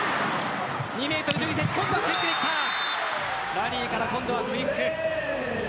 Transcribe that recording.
ラリーから今度はクイック。